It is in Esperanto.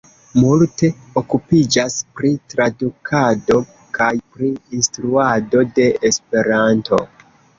Multe okupiĝas pri tradukado kaj pri instruado de Esperanto.